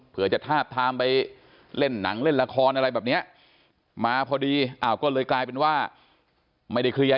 เพื่อจะทาบทามไปเล่นหนังเล่นละครอะไรแบบเนี้ยมาพอดีอ้าวก็เลยกลายเป็นว่าไม่ได้เคลียร์